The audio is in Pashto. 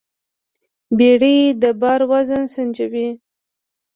بیړۍ د بار وزن سنجوي.